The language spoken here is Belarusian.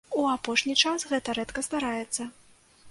У апошні час гэта рэдка здараецца.